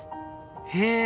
へえ。